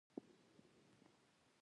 خټکی نرم پوست لري.